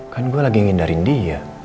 kan gue lagi ngindarin dia